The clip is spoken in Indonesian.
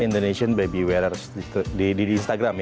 indonesian baby wearner di instagram ya